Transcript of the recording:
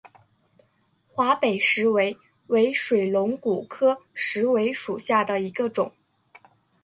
华北石韦为水龙骨科石韦属下的一个种。